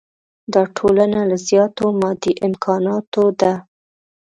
دا ټولنه له زیاتو مادي امکاناتو ده.